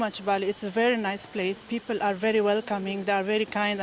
saya berharap dia berjaya dan tuhan berkati dia